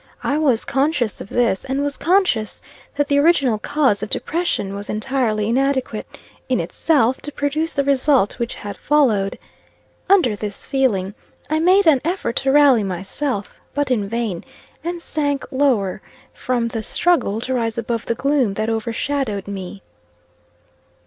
I was conscious of this, and was conscious that the original cause of depression was entirely inadequate, in itself, to produce the result which had followed. Under this feeling, I made an effort to rally myself, but in vain and sank lower from the struggle to rise above the gloom that overshadowed me.